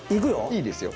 いいですよ。